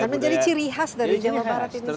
karena menjadi ciri khas dari jawa barat ini sendiri